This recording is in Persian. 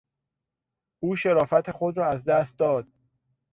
او شرافت خود را از دست داد.